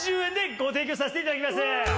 ご提供させていただきます。